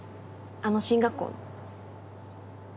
あの進学校の。